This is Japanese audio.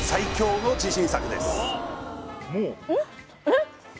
えっ？